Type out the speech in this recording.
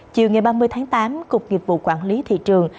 chiều ngày ba mươi tháng tám cục nghiệp vụ quản lý thị trường